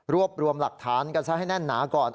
รวบรวมหลักฐานกันซะให้แน่นหนาก่อน